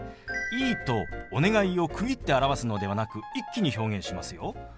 「いい」と「お願い」を区切って表すのではなく一気に表現しますよ。